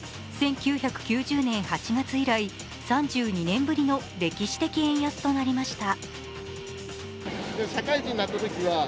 １９９０年８月以来、３２年ぶりの歴史的円安となりました。